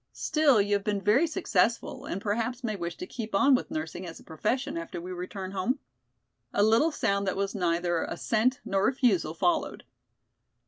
Still you have been very successful and perhaps may wish to keep on with nursing as a profession after we return home?" A little sound that was neither assent nor refusal followed.